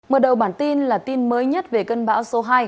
mở đầu bản tin là tin mới nhất về cơn bão số hai